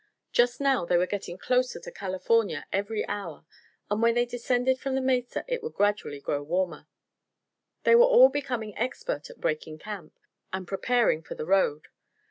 Just now they were getting closer to California every hour, and when they descended from the mesa it would gradually grow warmer. They were all becoming expert at "breaking camp," and preparing for the road.